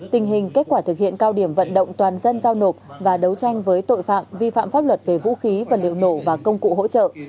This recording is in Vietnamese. tình hình kết quả thực hiện cao điểm vận động toàn dân giao nộp và đấu tranh với tội phạm vi phạm pháp luật về vũ khí vật liệu nổ và công cụ hỗ trợ